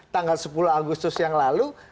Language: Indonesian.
tanggal sepuluh agustus yang lalu